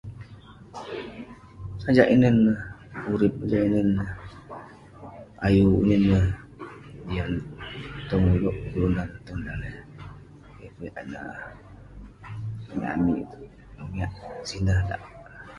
Sajak inen neh urip, sajak inen neh ayuk jian tong ulouk kelunan, tong daleh [unintelligible] [unintelligible] sineh dak.